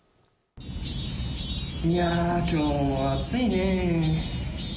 いや今日も暑いね。